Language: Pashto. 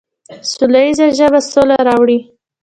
سوله ییزه ژبه سوله راوړي.